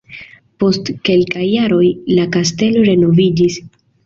Post kelkaj jaroj la kastelo renoviĝis.